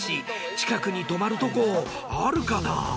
近くに泊まるとこあるかな？